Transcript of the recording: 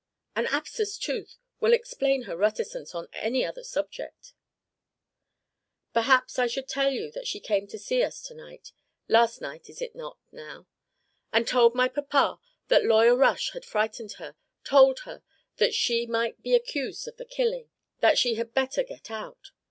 "An abscessed tooth will explain her reticence on any other subject." "Perhaps I should tell you that she came to see us to night last night it is now, not? and told my papa that Lawyer Rush had frightened her, told her that she might be accused of the killing, that she had better get out.